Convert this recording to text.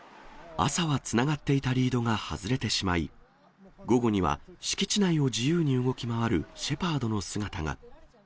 朝はつながっていたリードが外れてしまい、午後には、敷地内を自由に動き回るシェパードの姿が。